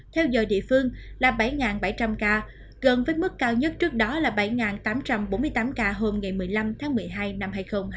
theo giờ địa phương là bảy bảy trăm linh ca gần với mức cao nhất trước đó là bảy tám trăm bốn mươi tám ca hôm ngày một mươi năm tháng một mươi hai năm hai nghìn hai mươi ba